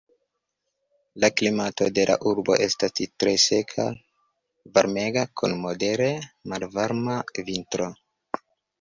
La klimato de la urbo estas tre seka, varmega, kun modere malvarma vintro.